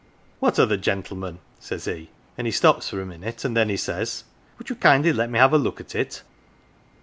"' What other gentleman ?' says he, and he stops for a minute, and then he says, ' would you kindly let me have a look at it